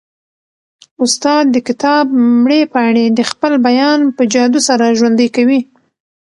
استاد د کتاب مړې پاڼې د خپل بیان په جادو سره ژوندۍ کوي.